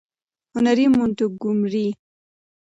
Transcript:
- هنري مونټګومري :